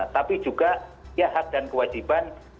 tapi juga ya hak dan kewajiban